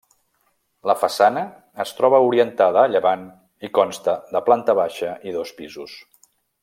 La façana es troba orientada a llevant i consta de planta baixa i dos pisos.